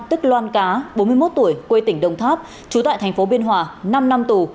tức loan cá bốn mươi một tuổi quê tỉnh đồng tháp chú tại thành phố biên hòa năm năm tù